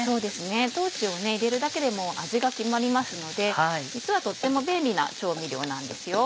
豆を入れるだけでもう味が決まりますので実はとっても便利な調味料なんですよ。